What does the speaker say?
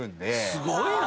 すごいな！